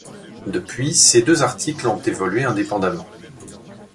Depuis, ces deux articles ont évolué indépendamment.